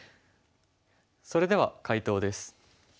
それでは解答です。